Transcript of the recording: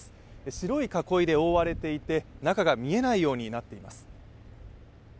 白い囲いで覆われていて、中が見えないようになっています。